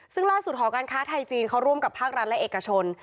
ซึ่งล่าสุดหอการค้าไทยจีนเขาร่วมกับภาครัฐและเอกชน